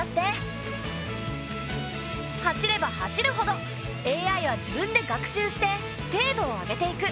走れば走るほどＡＩは自分で学習して精度を上げていく。